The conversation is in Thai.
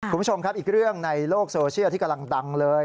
คุณผู้ชมครับอีกเรื่องในโลกโซเชียลที่กำลังดังเลย